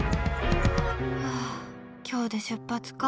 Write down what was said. ああ今日で出発か。